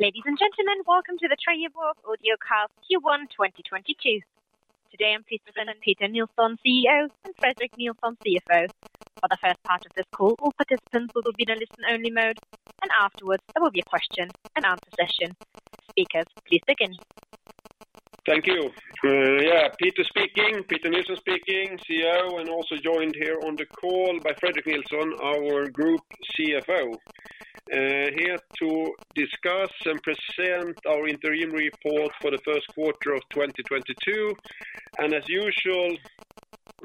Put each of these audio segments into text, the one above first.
Ladies and gentlemen, welcome to the Trelleborg Audiocast, Q1 2022. Today, joined by Peter Nilsson, CEO, and Fredrik Nilsson, CFO. For the first part of this call, all participants will be in a listen-only mode, and afterwards, there will be a question and answer session. Speakers, please begin. Thank you. Peter Nilsson speaking, CEO, and also joined here on the call by Fredrik Nilsson, our Group CFO, here to discuss and present our interim report for the first quarter of 2022. As usual,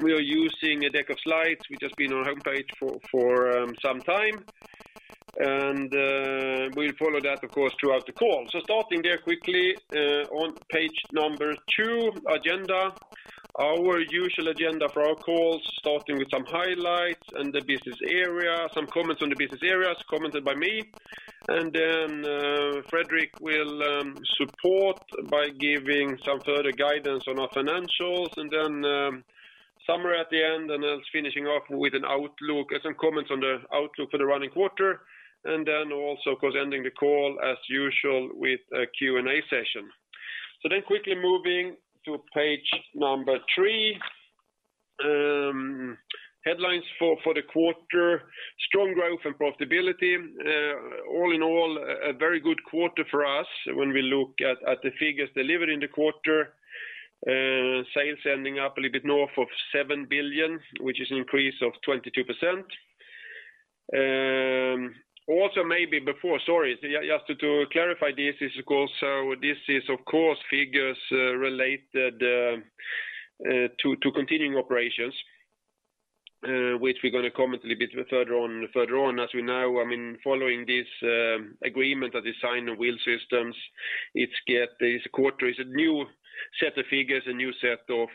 we are using a deck of slides which has been on our homepage for some time, and we'll follow that, of course, throughout the call. Starting there quickly, on page number 2, agenda. Our usual agenda for our calls, starting with some highlights and the business area, some comments on the business areas, commented by me. Then, Fredrik will support by giving some further guidance on our financials, and then summary at the end, and then finishing off with an outlook and some comments on the outlook for the running quarter. Also, of course, ending the call as usual with a Q&A session. Quickly moving to page number 3. Headlines for the quarter, strong growth and profitability. All in all, a very good quarter for us when we look at the figures delivered in the quarter. Sales ending up a little bit north of 7 billion, which is an increase of 22%. Also maybe before, sorry, just to clarify this is of course, so this is of course figures related to continuing operations, which we're gonna comment a little bit further on. As we know, I mean, following this agreement that is signed on Wheel Systems, it's this quarter is a new set of figures, a new set of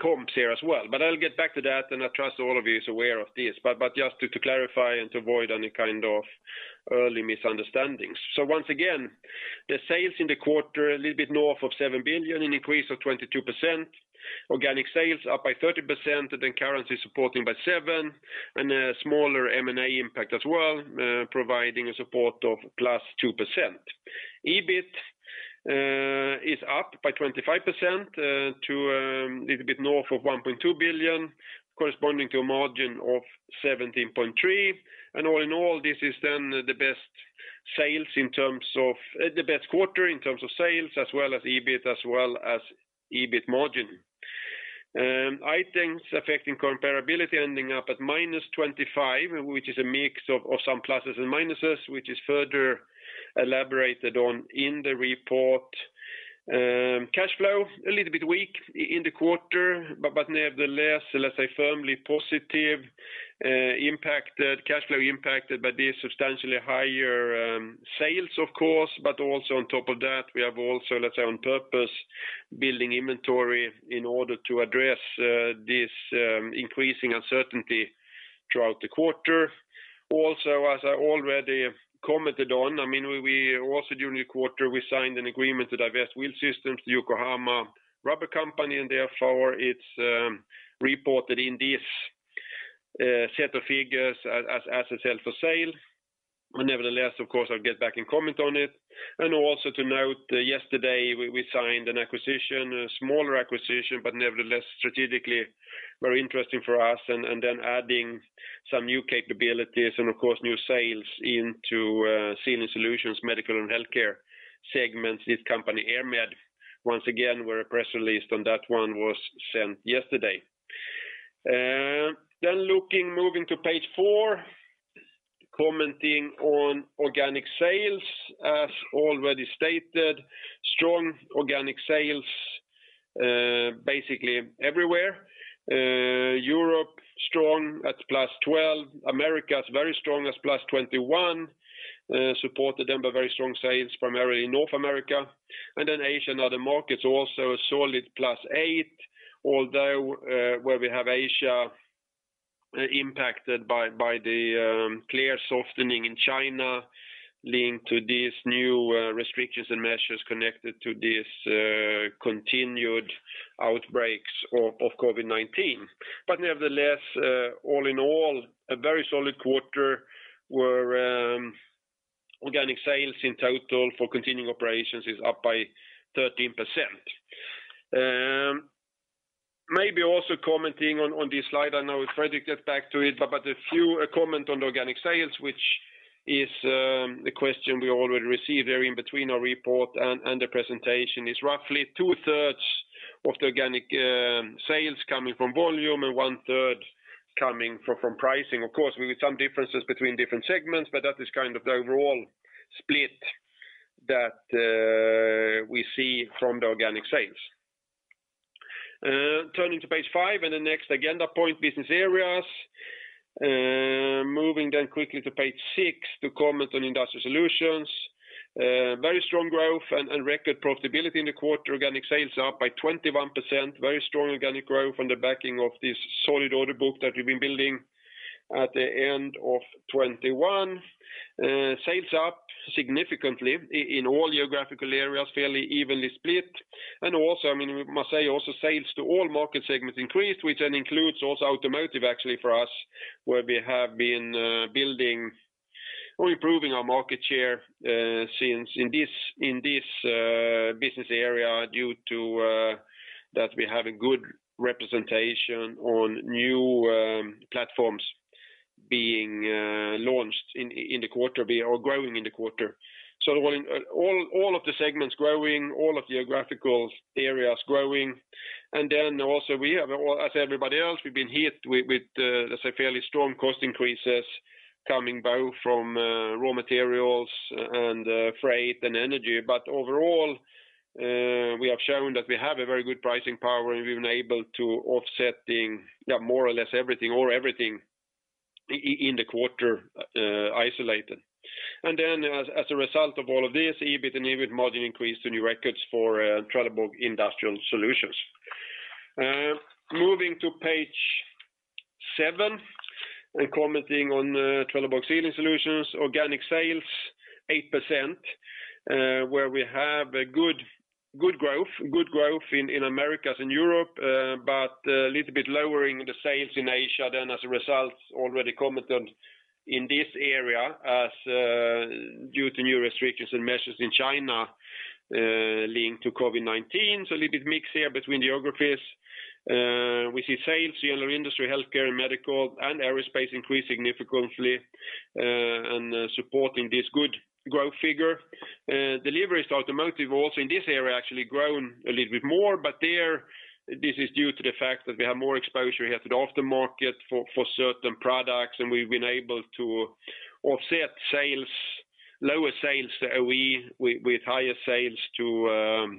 comps here as well. I'll get back to that, and I trust all of you is aware of this, just to clarify and to avoid any kind of early misunderstandings. Once again, the sales in the quarter a little bit north of 7 billion, an increase of 22%. Organic sales up by 30%, the currency supporting by 7%, and a smaller M&A impact as well, providing a support of +2%. EBIT is up by 25% to a little bit north of 1.2 billion, corresponding to a margin of 17.3%. All in all, this is then the best quarter in terms of sales as well as EBIT as well as EBIT margin. Items affecting comparability ending up at -25, which is a mix of some pluses and minuses, which is further elaborated on in the report. Cash flow a little bit weak in the quarter, but nevertheless, let's say firmly positive, impacted by the substantially higher sales of course, but also on top of that, we have also, let's say, on purpose, building inventory in order to address this increasing uncertainty throughout the quarter. Also, as I already commented on, I mean, we also during the quarter, we signed an agreement to divest Wheel Systems, Yokohama Rubber Company, and therefore it's reported in this set of figures as asset held for sale. Nevertheless, of course, I'll get back and comment on it. Also to note, yesterday we signed an acquisition, a smaller acquisition, but nevertheless strategically very interesting for us and then adding some new capabilities and of course, new sales into Sealing Solutions, medical and healthcare segments, this company, EirMed. Once again, a press release on that one was sent yesterday. Looking, moving to page 4, commenting on organic sales. As already stated, strong organic sales, basically everywhere. Europe strong at +12%. Americas, very strong as +21%, supported by very strong sales primarily in North America. Asia and other markets also a solid +8%. Although, we have Asia impacted by the clear softening in China linked to these new restrictions and measures connected to these continued outbreaks of COVID-19. Nevertheless, all in all, a very solid quarter where organic sales in total for continuing operations is up by 13%. Maybe also commenting on this slide, I know Fredrik get back to it, but a few comments on the organic sales, which is the question we already received there in between our report and the presentation, is roughly 2/3 of the organic sales coming from volume and 1/3 coming from pricing. Of course, with some differences between different segments, but that is kind of the overall split that we see from the organic sales. Turning to page 5 and the next agenda point, business areas. Moving then quickly to page 6 to comment on industry solutions. Very strong growth and record profitability in the quarter. Organic sales are up by 21%. Very strong organic growth on the backing of this solid order book that we've been building at the end of 2021. Sales up significantly in all geographical areas, fairly evenly split. I mean, we must say sales to all market segments increased, which then includes automotive actually for us, where we have been building or improving our market share since in this business area due to that we have a good representation on new platforms being launched in the quarter or growing in the quarter. Well, all of the segments growing, all of geographical areas growing. Then also we have, as everybody else, we've been hit with, let's say, fairly strong cost increases coming both from raw materials and freight and energy. Overall, we have shown that we have a very good pricing power, and we've been able to offset more or less everything in the quarter, isolated. As a result of all of this, EBIT and EBIT margin increased to new records for Trelleborg Industrial Solutions. Moving to page 7 and commenting on Trelleborg Sealing Solutions, organic sales 8%, where we have good growth in the Americas and Europe, but a little bit lower sales in Asia, as already commented on in this area, due to new restrictions and measures in China, linked to COVID-19. A little bit of a mix here between geographies. We see sales in general industry, healthcare, and medical and aerospace increase significantly, and supporting this good growth figure. Deliveries to automotive also in this area actually grown a little bit more, but there, this is due to the fact that we have more exposure here to the aftermarket for certain products, and we've been able to offset lower sales OE with higher sales to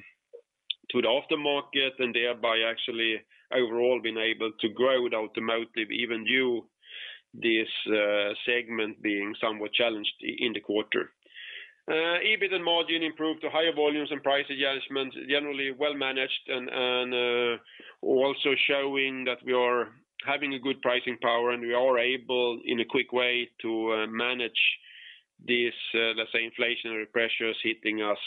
the aftermarket, and thereby actually overall been able to grow with automotive even due this segment being somewhat challenged in the quarter. EBIT and margin improved to higher volumes and price adjustments, generally well managed and also showing that we are having a good pricing power, and we are able in a quick way to manage these, let's say inflationary pressures hitting us,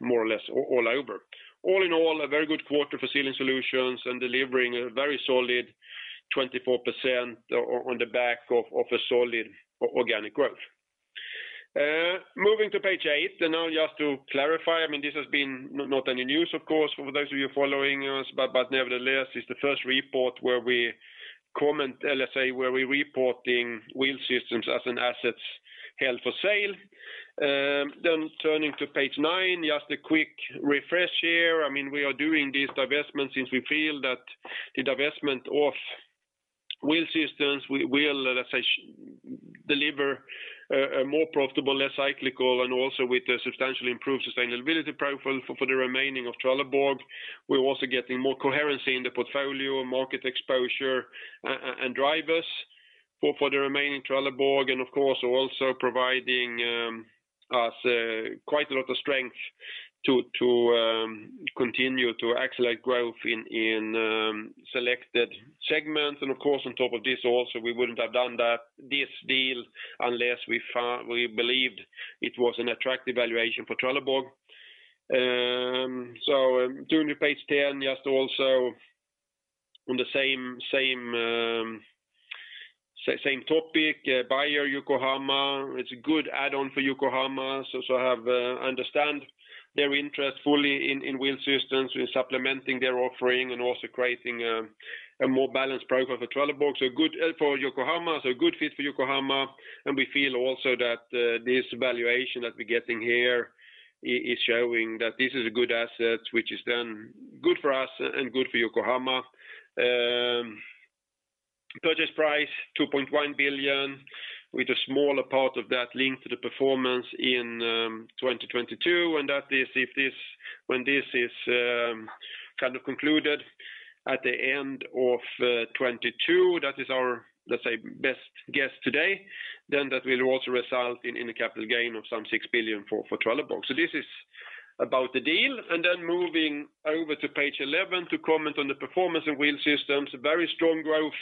more or less all over. All in all, a very good quarter for Sealing Solutions and delivering a very solid 24% on the back of a solid organic growth. Moving to page 8, now just to clarify, I mean, this has been not any news, of course, for those of you following us, but nevertheless, it's the first report where we comment, let's say, where we're reporting Wheel Systems as assets held for sale. Turning to page 9, just a quick refresh here. I mean, we are doing this divestment since we feel that the divestment of Wheel Systems will, let's say, deliver a more profitable, less cyclical, and also with a substantially improved sustainability profile for the remaining of Trelleborg. We're also getting more coherency in the portfolio, market exposure and drivers for the remaining Trelleborg, and of course, also providing us quite a lot of strength to continue to accelerate growth in selected segments. Of course, on top of this also, we wouldn't have done this deal unless we believed it was an attractive valuation for Trelleborg. Turning to page 10, just also on the same topic, buyer Yokohama. It's a good add-on for Yokohama, so I understand their interest fully in Wheel Systems in supplementing their offering and also creating a more balanced profile for Trelleborg. Good for Yokohama, a good fit for Yokohama. We feel also that this valuation that we're getting here is showing that this is a good asset which is then good for us and good for Yokohama. Purchase price 2.1 billion, with a smaller part of that linked to the performance in 2022. That is when this is kind of concluded at the end of 2022, that is our best guess today, then that will also result in a capital gain of some 6 billion for Trelleborg. This is about the deal. Then moving over to page 11 to comment on the performance in Wheel Systems. Very strong growth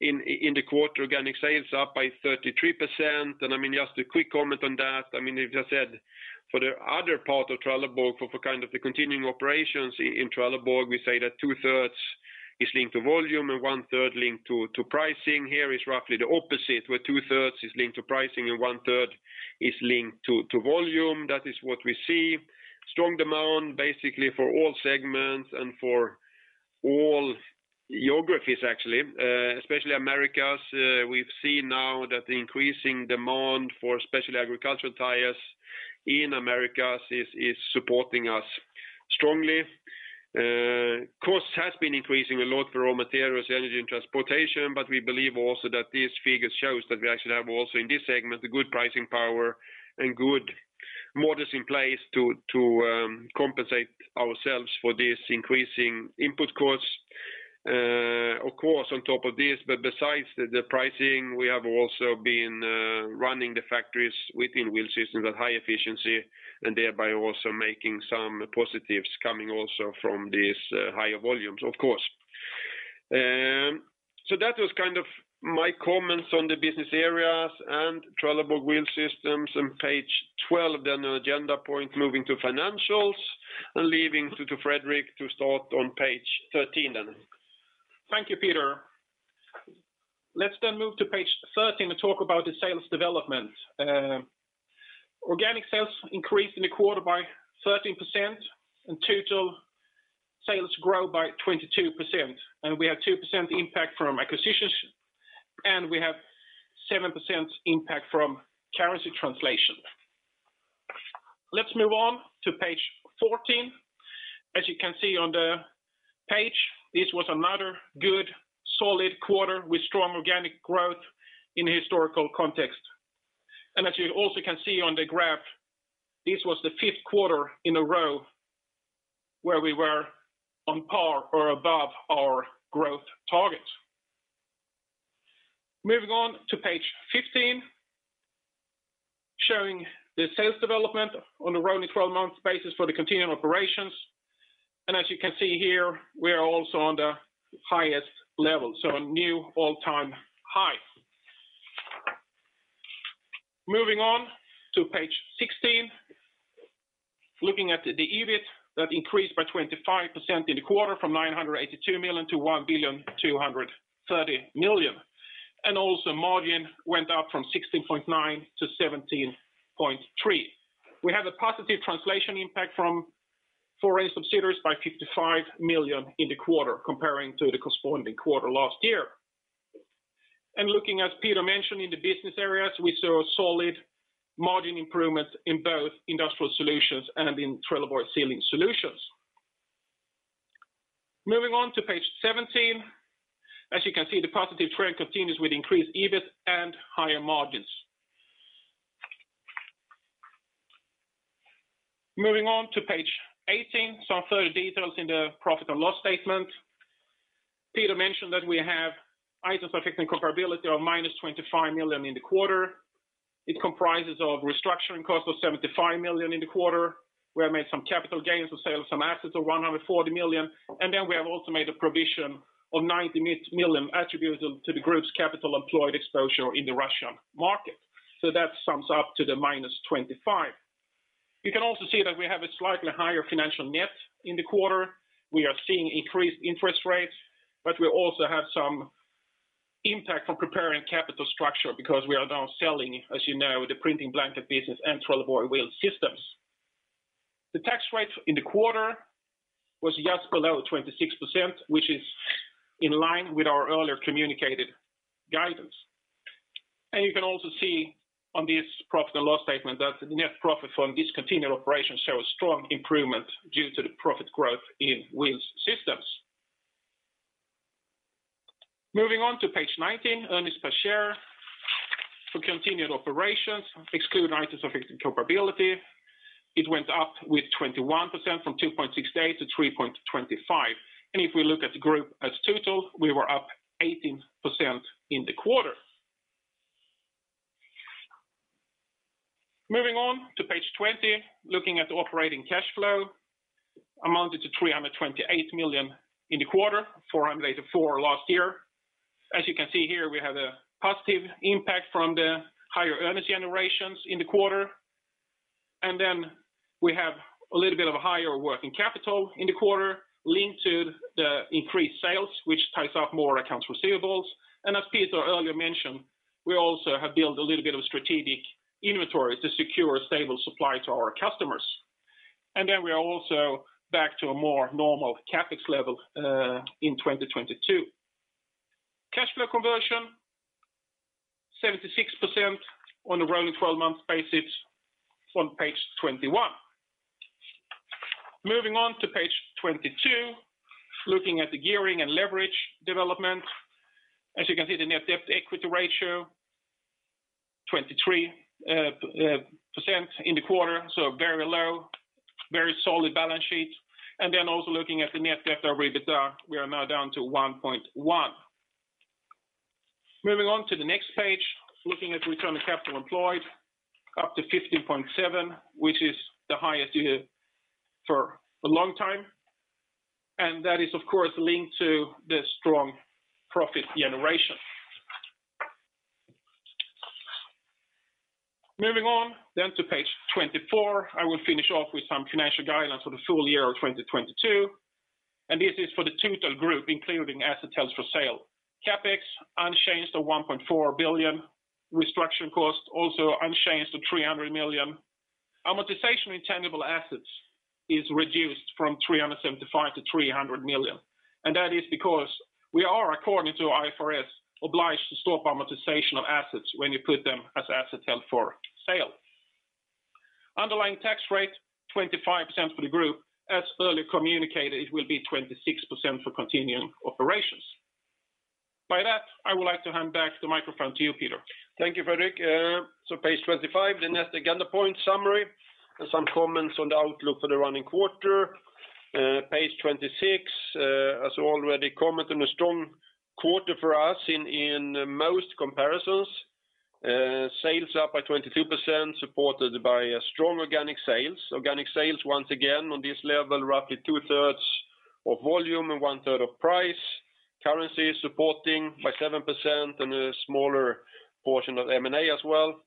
in the quarter. Organic sales up by 33%. I mean, just a quick comment on that. I mean, as I said, for the other part of Trelleborg, for kind of the continuing operations in Trelleborg, we say that 2/3 is linked to volume and 1/3 linked to pricing. Here is roughly the opposite, where 2/3 is linked to pricing and 1/3 is linked to volume. That is what we see. Strong demand basically for all segments and for all geographies actually, especially Americas. We've seen now that the increasing demand for especially agricultural tires in Americas is supporting us strongly. Cost has been increasing a lot for raw materials, energy and transportation, but we believe also that this figure shows that we actually have also in this segment a good pricing power and good models in place to compensate ourselves for this increasing input costs. Of course, on top of this, but besides the pricing, we have also been running the factories within Wheel Systems at high efficiency and thereby also making some positives coming also from these higher volumes, of course. That was kind of my comments on the business areas and Trelleborg Wheel Systems on page 12. The agenda point, moving to financials and leaving to Fredrik to start on page 13 then. Thank you, Peter. Let's then move to page 13 to talk about the sales development. Organic sales increased in the quarter by 13%, and total sales grow by 22%. We have 2% impact from acquisitions, and we have 7% impact from currency translation. Let's move on to page 14. As you can see on the page, this was another good solid quarter with strong organic growth in historical context. As you also can see on the graph, this was the fifth quarter in a row where we were on par or above our growth target. Moving on to page 15, showing the sales development on a rolling 12-month basis for the continuing operations. As you can see here, we are also on the highest level, so a new all-time high. Moving on to page 16, looking at the EBIT that increased by 25% in the quarter from 982 million-1,230 million. Also margin went up from 16.9%-17.3%. We have a positive translation impact from foreign subsidiaries by 55 million in the quarter comparing to the corresponding quarter last year. Looking, as Peter mentioned, in the business areas, we saw a solid margin improvement in both Industrial Solutions and in Trelleborg Sealing Solutions. Moving on to page 17. As you can see, the positive trend continues with increased EBIT and higher margins. Moving on to page 18, some further details in the profit and loss statement. Peter mentioned that we have items affecting comparability of -25 million in the quarter. It comprises of restructuring costs of 75 million in the quarter. We have made some capital gains of sales, some assets of 140 million. We have also made a provision of 90 million attributed to the group's capital employed exposure in the Russian market. That sums up to the -25 million. You can also see that we have a slightly higher financial net in the quarter. We are seeing increased interest rates, but we also have some impact from preparing capital structure because we are now selling, as you know, the printing blanket business and Trelleborg Wheel Systems. The tax rate in the quarter was just below 26%, which is in line with our earlier communicated guidance. You can also see on this profit and loss statement that the net profit from discontinued operations show a strong improvement due to the profit growth in Wheel Systems. Moving on to page 19, earnings per share for continued operations, exclude items of comparability. It went up with 21% from 2.68-3.25. If we look at the group as total, we were up 18% in the quarter. Moving on to page 20, looking at the operating cash flow amounted to 328 million in the quarter, 484 million last year. As you can see here, we have a positive impact from the higher earnings generations in the quarter. Then we have a little bit of a higher working capital in the quarter linked to the increased sales, which takes up more accounts receivables. As Peter earlier mentioned, we also have built a little bit of strategic inventory to secure a stable supply to our customers. We are also back to a more normal CapEx level in 2022. Cash flow conversion, 76% on a rolling 12-month basis on page 21. Moving on to page 22, looking at the gearing and leverage development. As you can see, the net debt equity ratio, 23%, in the quarter, so very low, very solid balance sheet. Also looking at the net debt to EBITDA, we are now down to 1.1. Moving on to the next page, looking at return on capital employed, up to 15.7%, which is the highest here for a long time. That is of course linked to the strong profit generation. Moving on to page 24, I will finish off with some financial guidelines for the full-year of 2022. This is for the total group, including assets held for sale. CapEx unchanged to 1.4 billion. Restructuring costs also unchanged to 300 million. Amortization in tangible assets is reduced from 375 million-300 million. That is because we are, according to IFRS, obliged to stop amortization of assets when you put them as assets held for sale. Underlying tax rate, 25% for the group. As earlier communicated, it will be 26% for continuing operations. By that, I would like to hand back the microphone to you, Peter. Thank you, Fredrik. Page 25, the next agenda point summary, and some comments on the outlook for the running quarter. Page 26, as already commented, a strong quarter for us in most comparisons. Sales up by 22%, supported by strong organic sales. Organic sales, once again on this level, roughly 2/3 of volume and 1/3 of price. Currency supporting by 7% and a smaller portion of M&A as well.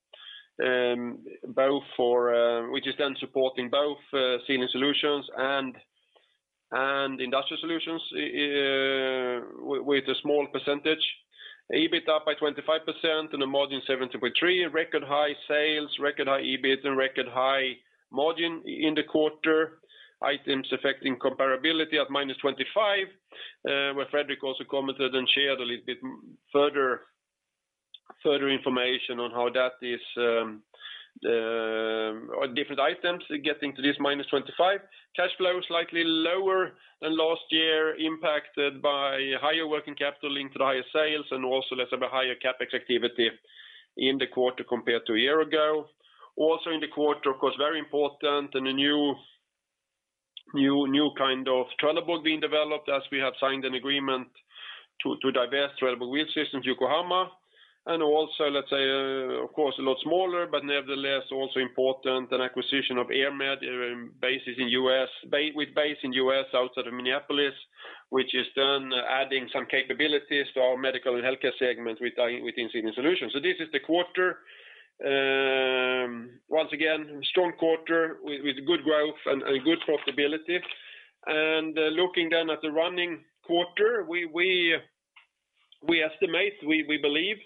Both for which is then supporting both Sealing Solutions and Industrial Solutions with a small percentage. EBIT up by 25% and a margin 7.3%. Record high sales, record high EBIT and record high margin in the quarter. Items affecting comparability of -25, where Fredrik also commented and shared a little bit further information on how that is different items getting to this -25. Cash flow is slightly lower than last year, impacted by higher working capital linked to the higher sales and also let's say by higher CapEx activity in the quarter compared to a year ago. In the quarter, of course, very important and a new kind of Trelleborg Wheel Systems being developed as we have signed an agreement to divest Trelleborg Wheel Systems to Yokohama. Also, let's say, of course, a lot smaller but nevertheless also important, an acquisition of EirMed with base in US outside of Minneapolis, which is then adding some capabilities to our medical and healthcare segment within Sealing Solutions. This is the quarter. Once again, strong quarter with good growth and good profitability. Looking then at the running quarter, we estimate, we believe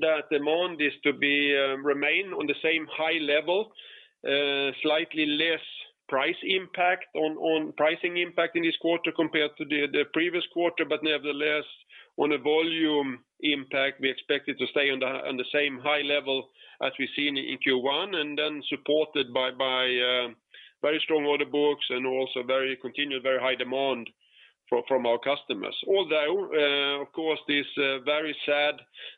that demand is to remain on the same high level, slightly less pricing impact in this quarter compared to the previous quarter, but nevertheless, on a volume impact, we expect it to stay on the same high level as we've seen in Q1, and then supported by very strong order books and also continued very high demand from our customers. Although, of course, this very sad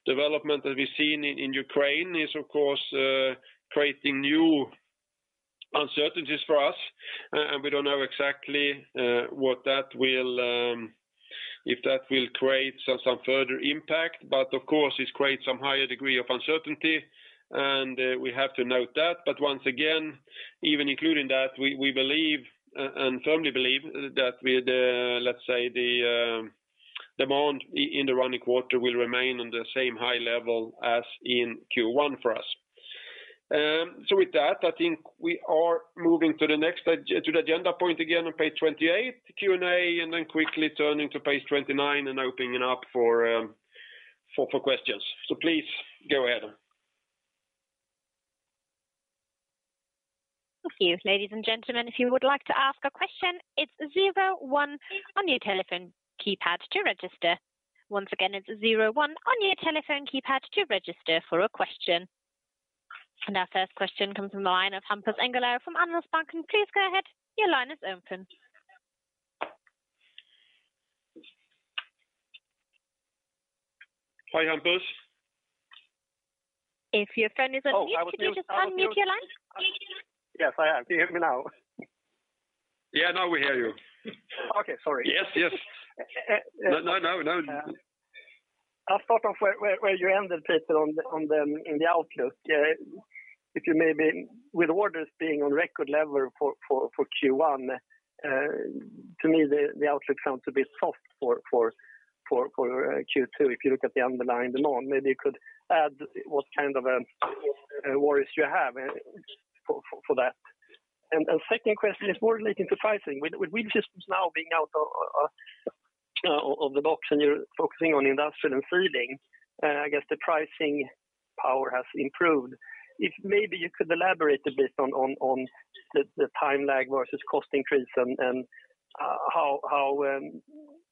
development that we've seen in Ukraine is, of course, creating new uncertainties for us. And we don't know exactly what that will if that will create some further impact. Of course, it's created some higher degree of uncertainty, and we have to note that. Once again, even including that, we believe and firmly believe that with, let's say, the demand in the running quarter will remain on the same high level as in Q1 for us. With that, I think we are moving to the next agenda point again on page 28, the Q&A, and then quickly turning to page 29 and opening it up for questions. Please go ahead. Thank you. Ladies and gentlemen, if you would like to ask a question, it's zero one on your telephone keypad to register. Once again, it's zero one on your telephone keypad to register for a question. Our first question comes from the line of Hampus Engellau from Handelsbanken. Please go ahead, your line is open. Hi, Hampus. If your phone is on mute. Oh, I was- Could you just unmute your line? Yes, I am. Do you hear me now? Yeah, now we hear you. Okay, sorry. Yes, yes. Uh, uh- No. I'll start off where you ended, Peter, on the outlook. If you maybe with orders being on record level for Q1, to me, the outlook sounds a bit soft for Q2, if you look at the underlying demand. Maybe you could add what kind of worries you have for that. Second question is more relating to pricing. With Wheel Systems now being out of the box and you're focusing on industrial and sealing, I guess the pricing power has improved. If maybe you could elaborate a bit on the time lag versus cost increase and how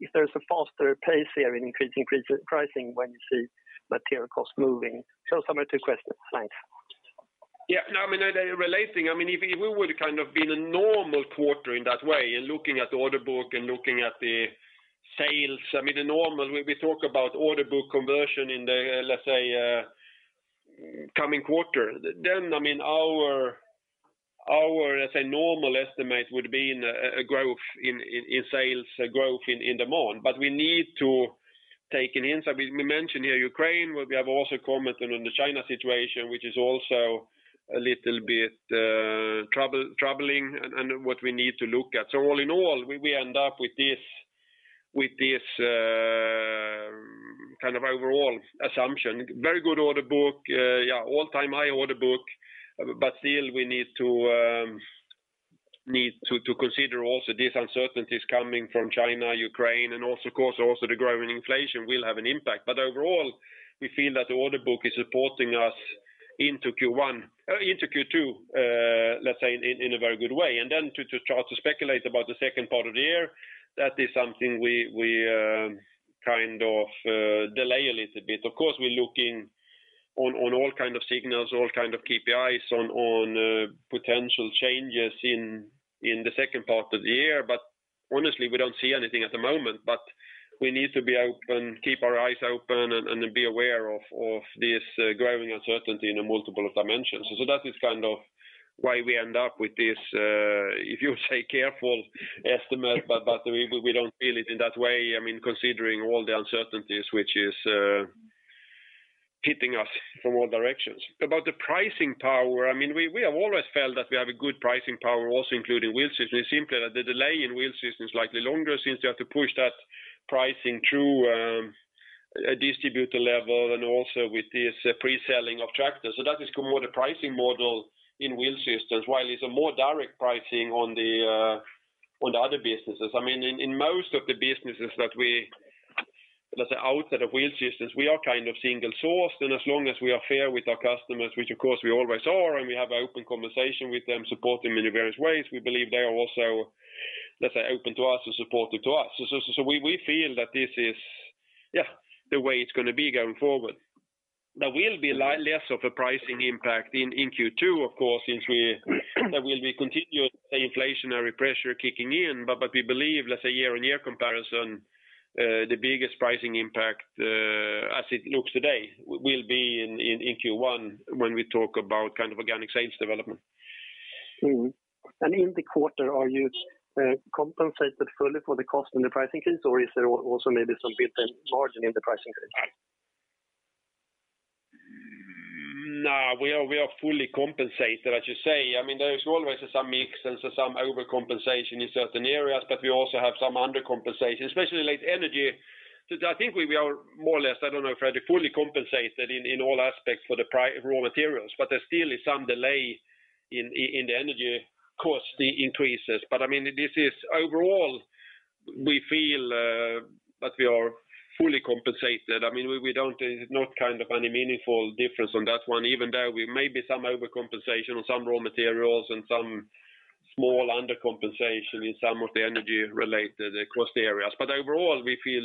if there's a faster pace here in increasing pricing when you see material costs moving. Some of the two questions. Thanks. Yeah, no, I mean, they're relating. I mean, if it would kind of been a normal quarter in that way, and looking at the order book and looking at the sales, I mean, the normal we talk about order book conversion in the let's say coming quarter. I mean, our let's say normal estimate would be in a growth in sales growth in demand. We need to take an insight. We mentioned here Ukraine, but we have also commented on the China situation, which is also a little bit troubling and what we need to look at. All in all, we end up with this kind of overall assumption. Very good order book. Yeah, all-time high order book. Still, we need to consider also these uncertainties coming from China, Ukraine, and also of course, also the growing inflation will have an impact. Overall, we feel that the order book is supporting us into Q1, into Q2, let's say, in a very good way. To start to speculate about the second part of the year, that is something we kind of delay a little bit. Of course, we're looking on all kind of signals, all kind of KPIs on potential changes in the second part of the year. Honestly, we don't see anything at the moment. We need to be open, keep our eyes open, and be aware of this growing uncertainty in a multiple dimensions. That is kind of why we end up with this, if you say careful estimate, but we don't feel it in that way. I mean, considering all the uncertainties, which is hitting us from all directions. About the pricing power, I mean, we have always felt that we have a good pricing power also including Wheel Systems. It's simply that the delay in Wheel Systems is likely longer since you have to push that pricing through a distributor level and also with this pre-selling of tractors. That is more the pricing model in Wheel Systems, while it's a more direct pricing on the other businesses. I mean, in most of the businesses that are outside of Wheel Systems, we are kind of single sourced. As long as we are fair with our customers, which of course we always are, and we have open conversation with them, support them in various ways, we believe they are also, let's say, open to us and supportive to us. We feel that this is the way it's gonna be going forward. There will be less of a pricing impact in Q2, of course, since there will be continued inflationary pressure kicking in. We believe, let's say year-on-year comparison, the biggest pricing impact, as it looks today, will be in Q1 when we talk about kind of organic sales development. In the quarter, are you compensated fully for the cost and the pricing increase, or is there also maybe some bit margin in the pricing increase? No, we are fully compensated, I should say. I mean, there is always some mix and so some overcompensation in certain areas, but we also have some undercompensation, especially like energy. I think we are more or less. I don't know, Fredrik, fully compensated in all aspects for raw materials, but there still is some delay in the energy cost increases. I mean, overall, we feel that we are fully compensated. I mean, we don't. It's not kind of any meaningful difference on that one, even though we may be some overcompensation on some raw materials and some small undercompensation in some of the energy related cost areas. Overall, we feel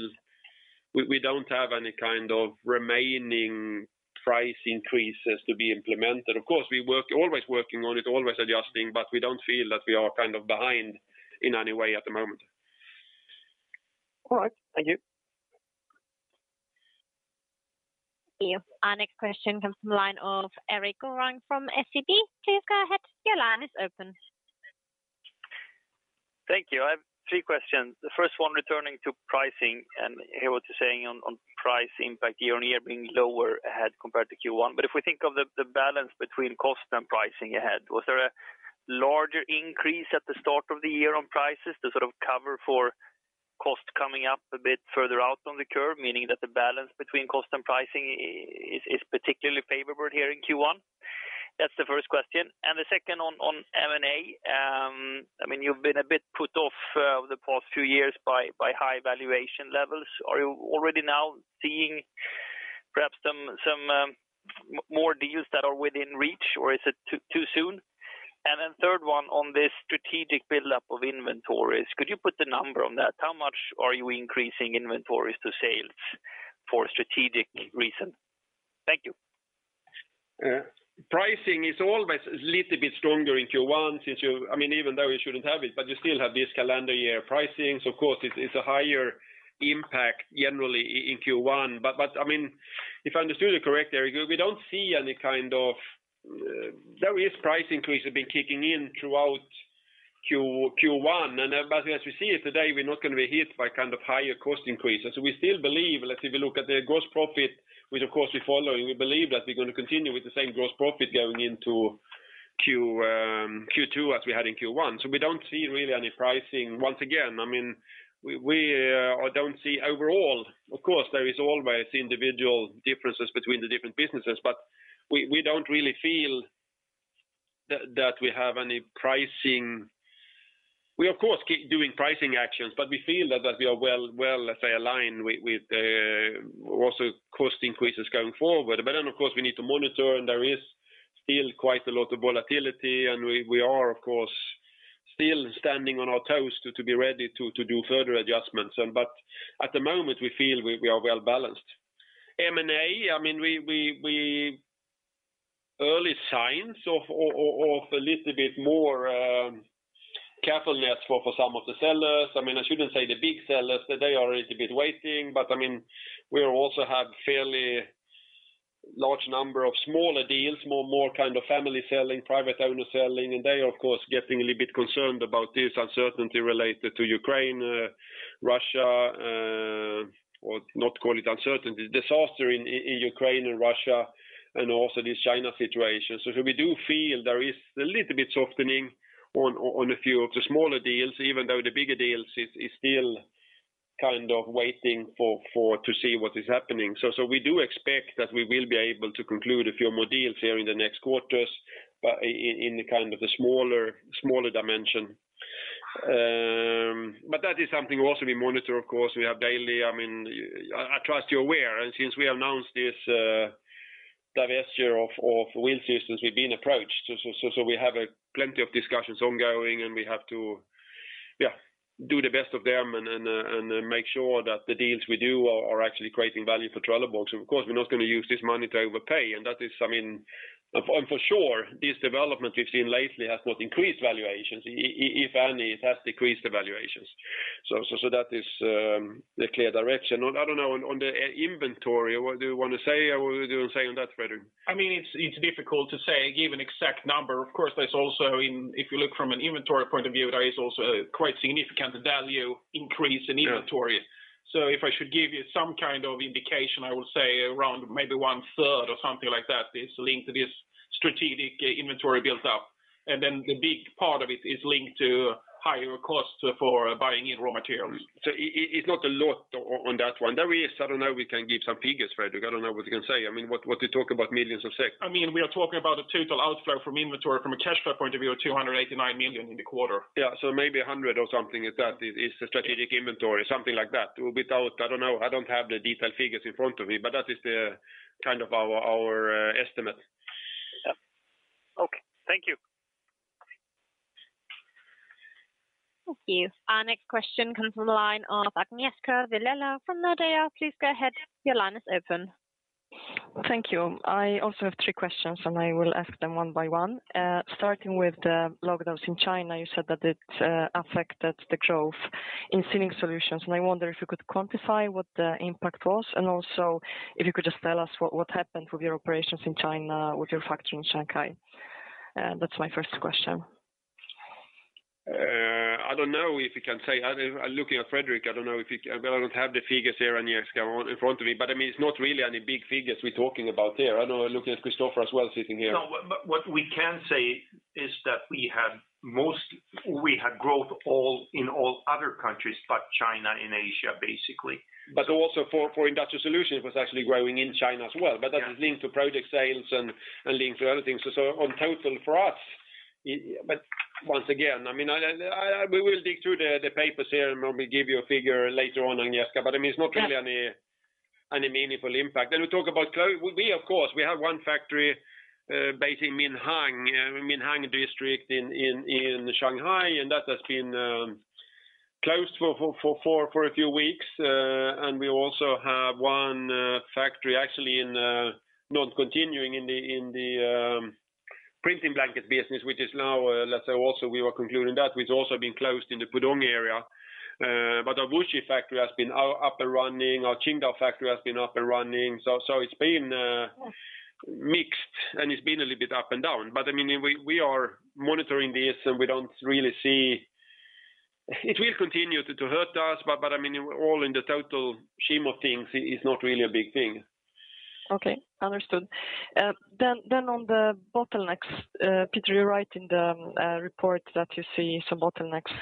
we don't have any kind of remaining price increases to be implemented. Of course, always working on it, always adjusting, but we don't feel that we are kind of behind in any way at the moment. All right. Thank you. Thank you. Our next question comes from line of Erik Golrang from SEB. Please go ahead. Your line is open. Thank you. I have three questions. The first one returning to pricing and hear what you're saying on price impact year-on-year being lower ahead compared to Q1. If we think of the balance between cost and pricing ahead, was there a larger increase at the start of the year on prices to sort of cover for cost coming up a bit further out on the curve, meaning that the balance between cost and pricing is particularly favorable here in Q1? That's the first question. The second on M&A. I mean, you've been a bit put off the past few years by high valuation levels. Are you already now seeing perhaps some more deals that are within reach, or is it too soon? Third one on the strategic buildup of inventories. Could you put a number on that? How much are you increasing inventories to sales for strategic reason? Thank you. Yeah. Pricing is always a little bit stronger in Q1 since I mean, even though you shouldn't have it, but you still have this calendar year pricing. Of course, it's a higher impact generally in Q1. I mean, if I understood you correct, Erik, we don't see any kind of their price increases have been kicking in throughout Q1. As we see it today, we're not gonna be hit by kind of higher cost increases. We still believe, let's say if we look at the gross profit, which of course we're following, we believe that we're gonna continue with the same gross profit going into Q2 as we had in Q1. We don't see really any pricing. Once again, I mean, we don't see overall. Of course, there is always individual differences between the different businesses, but we don't really feel that we have any pricing. We of course keep doing pricing actions, but we feel that we are well, let's say, aligned with also cost increases going forward. Of course, we need to monitor, and there is still quite a lot of volatility. We are, of course, still standing on our toes to be ready to do further adjustments. At the moment, we feel we are well balanced. M&A, I mean, early signs of a little bit more carefulness for some of the sellers. I mean, I shouldn't say the big sellers. They are a little bit waiting. I mean, we also have a fairly large number of smaller deals, kind of family selling, private owner selling. They are, of course, getting a little bit concerned about this uncertainty related to Ukraine, Russia, or not, call it uncertainty, disaster in Ukraine and Russia, and also this China situation. We do feel there is a little bit softening on a few of the smaller deals, even though the bigger deals is still kind of waiting to see what is happening. We do expect that we will be able to conclude a few more deals here in the next quarters, but in kind of the smaller dimension. That is something also we monitor, of course. We have daily. I mean, I trust you're aware. Since we announced this divestiture of Wheel Systems, we've been approached. We have plenty of discussions ongoing, and we have to do the best of them and make sure that the deals we do are actually creating value for Trelleborg. Of course, we're not gonna use this money to overpay. That is for sure, this development we've seen lately has not increased valuations. If any, it has decreased the valuations. That is the clear direction. I don't know, on the inventory, what do you want to say? What would you say on that, Fredrik? I mean, it's difficult to say give an exact number. Of course, there's also, if you look from an inventory point of view, there is also a quite significant value increase in inventor. If I should give you some kind of indication, I would say around maybe 1/3 or something like that is linked to this strategic inventory built up. The big part of it is linked to higher costs for buying in raw materials. It's not a lot on that one. There is, I don't know if we can give some figures, Fredrik. I don't know what you can say. I mean, what you talk about millions of SEK. I mean, we are talking about a total outflow from inventory from a cash flow point of view of 289 million in the quarter. Yeah. Maybe 100 or something is that the strategic inventory, something like that. I don't know, I don't have the detailed figures in front of me, but that is the kind of our estimate. Yeah. Okay. Thank you. Thank you. Our next question comes from the line of Agnieszka Vilela from Nordea. Please go ahead. Your line is open. Thank you. I also have three questions, and I will ask them one by one. Starting with the lockdowns in China, you said that it affected the growth in Sealing Solutions. I wonder if you could quantify what the impact was, and also if you could just tell us what happened with your operations in China, with your factory in Shanghai. That's my first question. I don't know if you can say. I'm looking at Fredrik. I don't have the figures here, Agnieszka, on in front of me. I mean, it's not really any big figures we're talking about there. I know, I'm looking at Christofer as well sitting here. No, but what we can say is that we had growth in all other countries, but China in Asia, basically. Also for Industrial Solutions, it was actually growing in China as well. Yeah. That is linked to project sales and linked to other things. On total for us. Once again, I mean, we will dig through the papers here, and then we'll give you a figure later on, Agnieszka. Yeah. I mean, it's not really any meaningful impact. We, of course, have one factory based in Minhang District in Shanghai, and that has been closed for a few weeks. And we also have one factory actually in non-continuing in the printing blanket business, which is now, let's say, also we are concluding that, which has also been closed in the Pudong area. But our Wuxi factory has been up and running, our Qingdao factory has been up and running. It's been mixed, and it's been a little bit up and down. I mean, we are monitoring this, and we don't really see. It will continue to hurt us, but I mean, all in the total scheme of things, it is not really a big thing. Okay. Understood. On the bottlenecks, Peter, you write in the report that you see some bottlenecks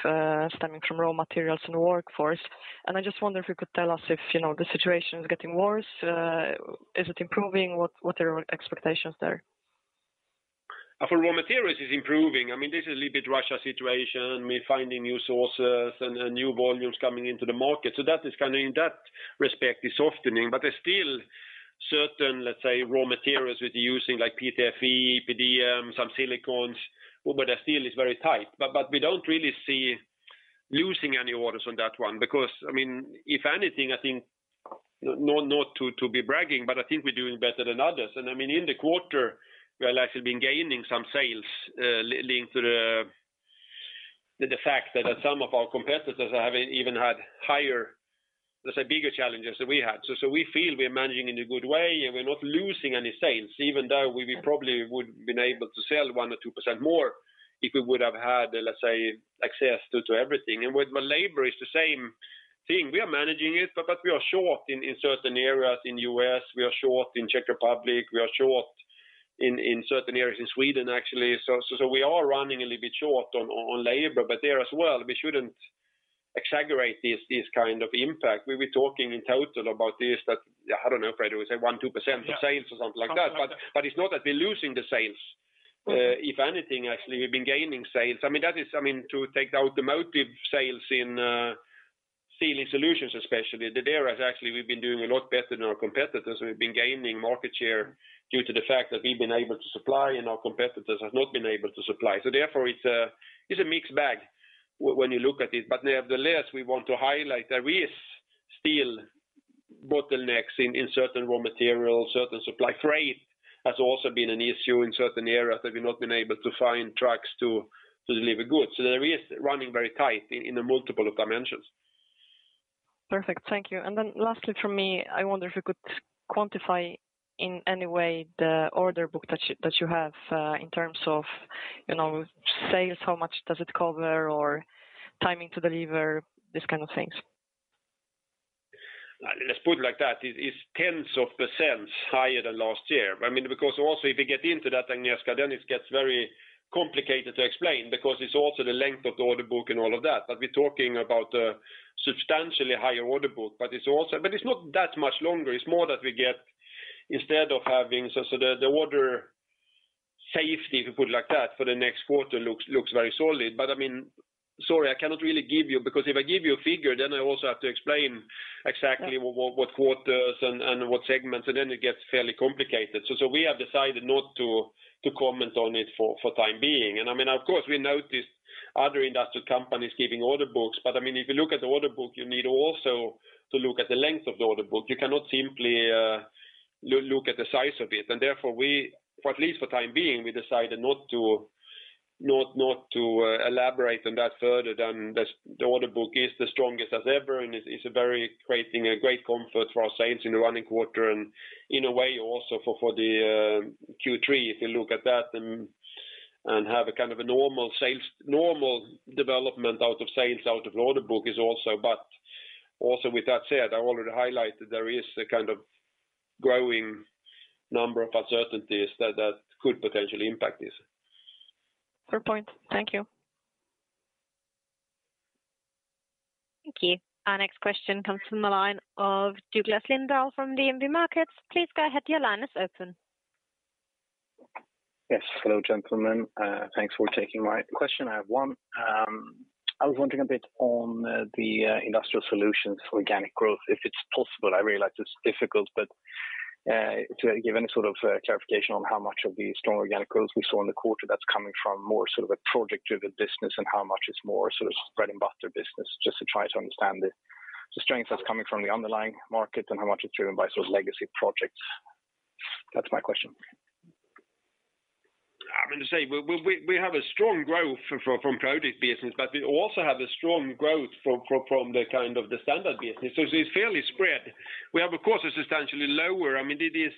stemming from raw materials and workforce. I just wonder if you could tell us if the situation is getting worse, is it improving? What are your expectations there? For raw materials, it's improving. I mean, this is a little bit Russia situation, we're finding new sources and new volumes coming into the market. That is kind of in that respect is softening. There's still certain, let's say, raw materials we're using like PTFE, EPDM, some silicones, but the steel is very tight. We don't really see losing any orders on that one because I mean, if anything, I think, no, not to be bragging, but I think we're doing better than others. I mean, in the quarter, we have actually been gaining some sales, linked to the fact that some of our competitors have even had higher, let's say, bigger challenges than we had. We feel we are managing in a good way, and we're not losing any sales, even though we probably would've been able to sell 1 or 2% more if we would have had, let's say, access to everything. With labor, it's the same thing. We are managing it, but we are short in certain areas in U.S., we are short in Czech Republic, we are short in certain areas in Sweden, actually. We are running a little bit short on labor. There as well, we shouldn't exaggerate this kind of impact. We'll be talking in total about this, that, I don't know, Fredrik, we say 1 or 2% of sales or something like that. Something like that. It's not that we're losing the sales. If anything, actually, we've been gaining sales. I mean, to take the automotive sales in Sealing Solutions especially, we've been doing a lot better than our competitors. We've been gaining market share due to the fact that we've been able to supply and our competitors have not been able to supply. Therefore, it's a mixed bag when you look at it. Nevertheless, we want to highlight there is still bottlenecks in certain raw materials, certain supply. Freight has also been an issue in certain areas that we've not been able to find trucks to deliver goods. The risk running very tight in the multitude of dimensions. Perfect. Thank you. Lastly from me, I wonder if you could quantify in any way the order book that you have, in terms of, you know, sales, how much does it cover or timing to deliver, these kind of things. Let's put it like that. It's tens of % higher than last year. I mean, because also if you get into that, Agnieszka, then it gets very complicated to explain because it's also the length of the order book and all of that. We're talking about a substantially higher order book, but it's not that much longer. The order safety, if you put it like that, for the next quarter looks very solid. I mean, sorry, I cannot really give you because if I give you a figure, then I also have to explain exactly what quarters and what segments, and then it gets fairly complicated. We have decided not to comment on it for time being. I mean, of course, we noticed other industrial companies keeping order books. I mean, if you look at the order book, you need also to look at the length of the order book. You cannot simply look at the size of it. Therefore, we, for at least for the time being, we decided not to elaborate on that further than this. The order book is the strongest as ever, and it's creating a great comfort for our sales in the running quarter, and in a way also for the Q3, if you look at that and have a kind of a normal sales development out of the order book is also, but also with that said, I already highlighted there is a kind of growing number of uncertainties that could potentially impact this. Good point. Thank you. Thank you. Our next question comes from the line of Douglas Lindahl from DNB Markets. Please go ahead. Your line is open. Yes. Hello, gentlemen. Thanks for taking my question. I have one. I was wondering a bit on the industrial solutions organic growth, if it's possible. I realize it's difficult, but to give any sort of clarification on how much of the strong organic growth we saw in the quarter that's coming from more sort of a project driven business and how much it's more sort of bread-and-butter business, just to try to understand the strength that's coming from the underlying market and how much is driven by sort of legacy projects. That's my question. I'm going to say we have a strong growth from project business, but we also have a strong growth from the kind of the standard business. It's fairly spread. We have, of course, a substantially lower. I mean, it is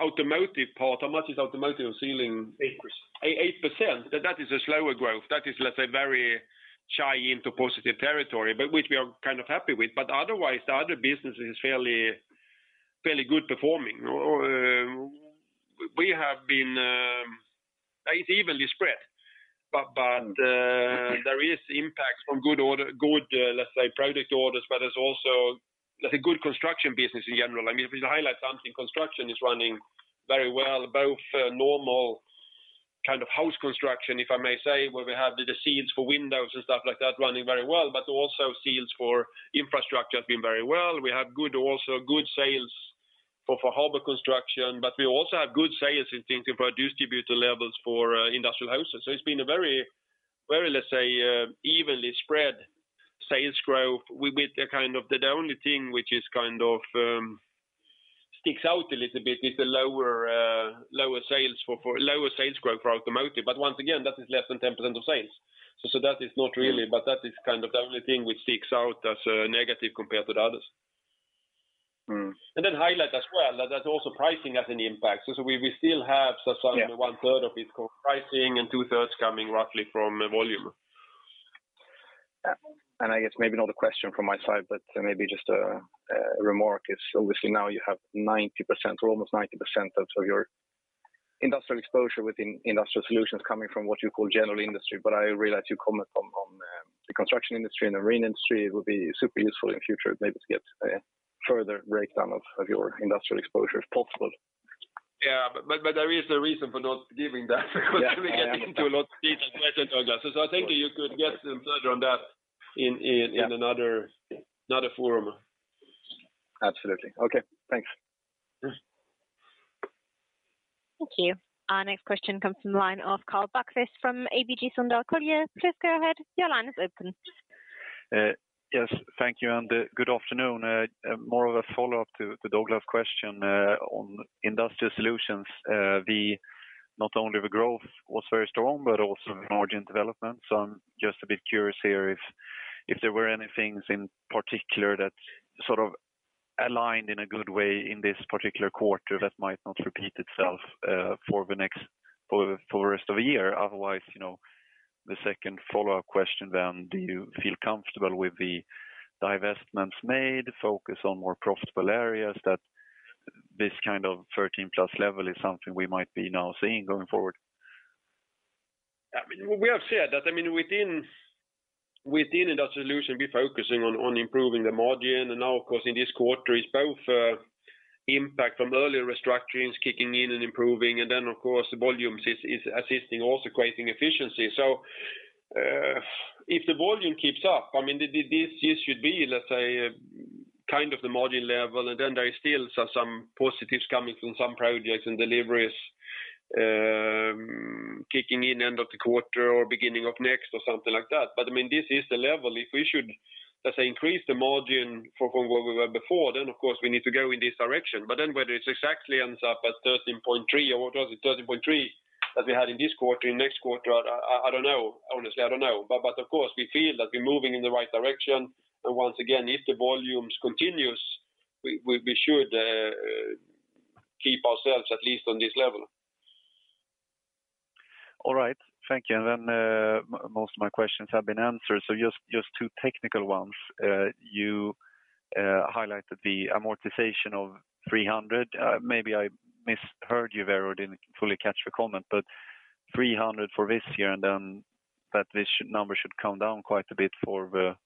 automotive part. How much is automotive sealing? 8%. 8%. That is a slower growth. That is, let's say, very shy into positive territory, but which we are kind of happy with. Otherwise, the other business is fairly good performing. It's evenly spread. Mm-hmm. There is impact from good order, let's say, project orders, but there's also, let's say, good construction business in general. I mean, if we highlight something, construction is running very well, both normal kind of house construction, if I may say, where we have the seals for windows and stuff like that running very well, but also seals for infrastructure has been very well. We have good sales for harbor construction, but we also have good sales in things like distributor levels for industrial houses. So it's been a very evenly spread sales growth. The only thing which is kind of sticks out a little bit is the lower sales growth for automotive. But once again, that is less than 10% of sales. That is not really, but that is kind of the only thing which sticks out as a negative compared to the others. Mm. highlight as well that there's also pricing as an impact. We still have some- Yeah. 1/3 of it for pricing and 2/3 coming roughly from volume. I guess maybe not a question from my side, but maybe just a remark is obviously now you have 90% or almost 90% of your industrial exposure within industrial solutions coming from what you call general industry. I realize you comment on the construction industry and the marine industry. It would be super useful in future maybe to get a further breakdown of your industrial exposure, if possible. Yeah. There is a reason for not giving that because we get into a lot of detail. I think you could get some further on that in another forum. Absolutely. Okay. Thanks. Yeah. Thank you. Our next question comes from the line of Karl Bokvist from ABG Sundal Collier. Please go ahead. Your line is open. Yes. Thank you and good afternoon. More of a follow-up to Douglas question on industrial solutions. Not only the growth was very strong, but also margin development. I'm just a bit curious here if there were any things in particular that sort of aligned in a good way in this particular quarter that might not repeat itself for the rest of the year. Otherwise, you know, the second follow-up question then, do you feel comfortable with the divestments made, focus on more profitable areas that this kind of 13-plus level is something we might be now seeing going forward? I mean, we have said that, I mean, within Industrial Solutions, we're focusing on improving the margin. Now, of course, in this quarter is both impact from earlier restructurings kicking in and improving. Then, of course, the volumes is assisting also creating efficiency. If the volume keeps up, I mean, this should be, let's say, kind of the margin level. Then there is still some positives coming from some projects and deliveries, kicking in end of the quarter or beginning of next or something like that. I mean, this is the level. If we should, let's say, increase the margin from where we were before, then of course, we need to go in this direction. Whether it exactly ends up at 13.3% or what was it, 13.3% that we had in this quarter, in next quarter, I don't know. Honestly, I don't know. Of course, we feel that we're moving in the right direction. Once again, if the volumes continues, we should keep ourselves at least on this level. All right. Thank you. Most of my questions have been answered. Just two technical ones. You highlighted the amortization of 300. Maybe I misheard you there or didn't fully catch your comment, but 300 for this year, and then this number should come down quite a bit for the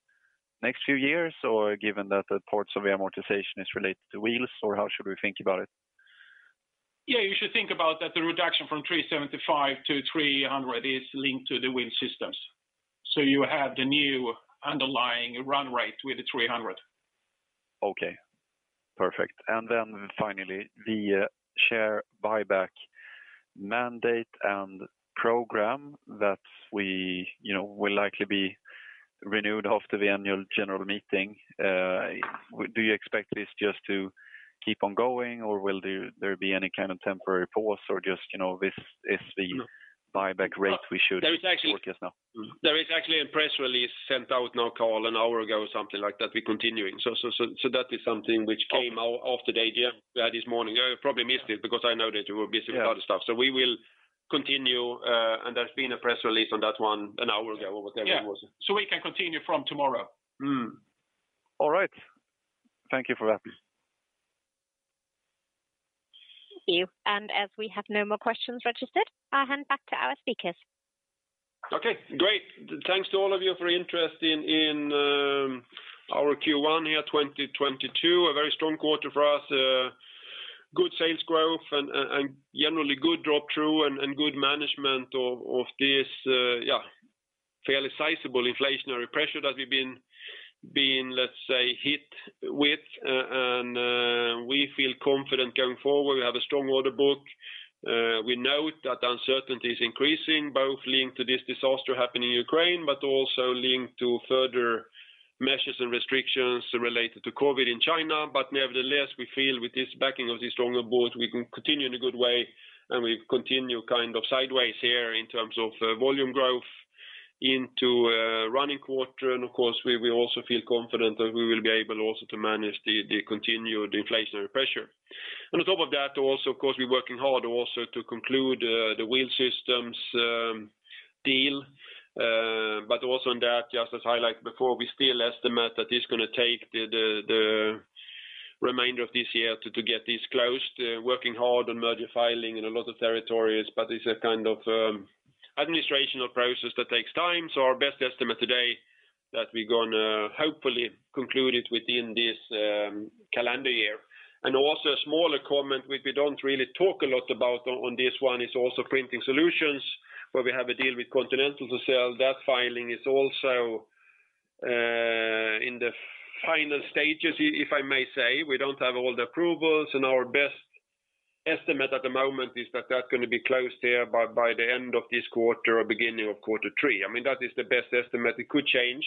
next few years, or given that the parts of amortization is related to wheels, or how should we think about it? Yeah, you should think about that the reduction from 375-300 is linked to the Wheel Systems. You have the new underlying run rate with the 300. Okay. Perfect. Finally, the share buyback mandate and program that we, you know, will likely be renewed after the annual general meeting. Do you expect this just to keep on going, or will there be any kind of temporary pause or just, you know, this is the buyback rate we should work as now? There is actually a press release sent out now, Karl, an hour ago, something like that. We're continuing. That is something which came out after the AGM this morning. You probably missed it because I know that you were busy with other stuff. We will continue, and there's been a press release on that one an hour ago or whatever it was. Yeah. We can continue from tomorrow. Mm-hmm. All right. Thank you for that. Thank you. As we have no more questions registered, I'll hand back to our speakers. Okay, great. Thanks to all of you for your interest in our Q1 2022. A very strong quarter for us. Good sales growth and generally good drop-through and good management of this fairly sizable inflationary pressure that we've been, let's say, hit with. We feel confident going forward. We have a strong order book. We know that uncertainty is increasing, both linked to this disaster happening in Ukraine, but also linked to further measures and restrictions related to COVID in China. Nevertheless, we feel with this backing of the strong order book, we can continue in a good way, and we continue kind of sideways here in terms of volume growth into a coming quarter. Of course, we also feel confident that we will be able also to manage the continued inflationary pressure. On top of that, also, of course, we're working hard also to conclude the Wheel Systems deal. Also on that, just as highlighted before, we still estimate that it's gonna take the remainder of this year to get this closed. Working hard on merger filing in a lot of territories, but it's a kind of administrative process that takes time. Our best estimate today that we're gonna hopefully conclude it within this calendar year. Also a smaller comment which we don't really talk a lot about on this one is also Printing Solutions, where we have a deal with Continental to sell. That filing is also in the final stages, if I may say. We don't have all the approvals, and our best estimate at the moment is that that's gonna be closed here by the end of this quarter or beginning of quarter three. I mean, that is the best estimate. It could change,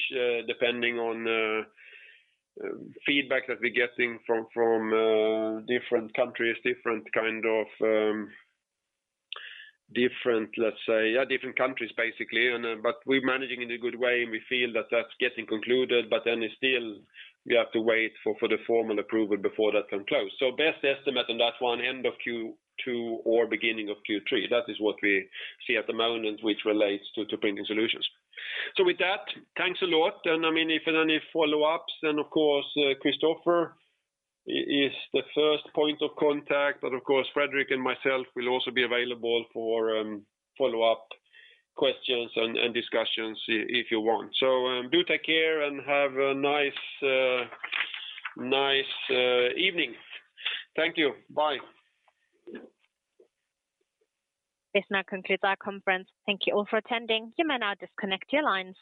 depending on feedback that we're getting from different countries, basically. We're managing in a good way, and we feel that that's getting concluded, but then it's still we have to wait for the formal approval before that can close. Best estimate on that one, end of Q2 or beginning of Q3. That is what we see at the moment which relates to Printing Solutions. With that, thanks a lot. I mean, if any follow-ups, then of course, Christofer is the first point of contact. Of course, Fredrik and myself will also be available for follow-up questions and discussions if you want. Do take care and have a nice evening. Thank you. Bye. This now concludes our conference. Thank you all for attending. You may now disconnect your lines.